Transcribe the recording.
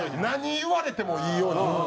何言われてもいいように。